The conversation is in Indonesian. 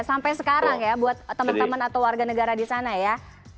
sampai sekarang ya buat teman teman atau warga negara di sana ya